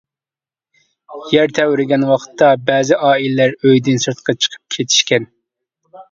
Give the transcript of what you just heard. يەر تەۋرىگەن ۋاقىتتا بەزى ئائىلىلەر ئۆيدىن سىرتقا چىقىپ كېتىشكەن.